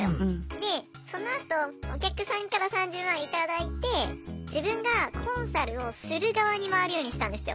でそのあとお客さんから３０万頂いて自分がコンサルをする側に回るようにしたんですよ。